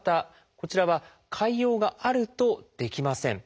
こちらは潰瘍があるとできません。